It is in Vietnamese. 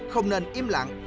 không nên im lặng